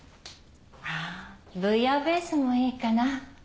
あぁブイヤベースもいいかな。